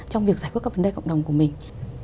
trong việc giải quyết các vấn đề cộng đồng của mình